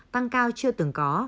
tăng cao chưa từng có